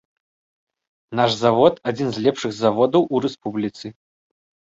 Наш завод адзін з лепшых заводаў ў рэспубліцы.